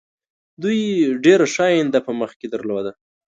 دوی ډېره ښه آینده په مخکې درلودله.